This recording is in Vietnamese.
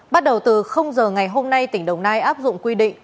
bắt đầu từ giờ ngày hôm nay tỉnh đồng nai áp dụng quy định